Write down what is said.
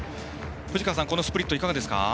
藤川さん、スプリットいかがですか。